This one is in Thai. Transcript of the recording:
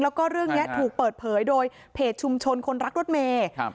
แล้วก็เรื่องเนี้ยถูกเปิดเผยโดยเพจชุมชนคนรักรถเมย์ครับ